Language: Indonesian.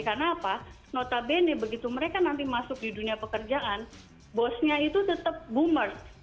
karena apa notabene begitu mereka nanti masuk di dunia pekerjaan bosnya itu tetap boomer